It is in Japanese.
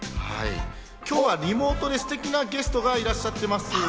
今日はリモートでステキなゲストがいらっしゃっています。